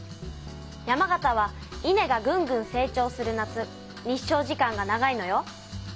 山形は稲がぐんぐん成長する夏日照時間が長いのよ。